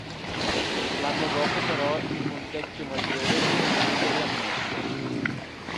L'anno dopo però il Montecchio Maggiore viene subito riammesso.